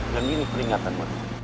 gak ngini peringatan banget